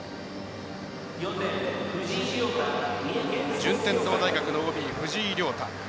順天堂大学のＯＢ藤井亮汰。